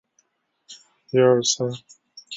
客人点了四十三大披萨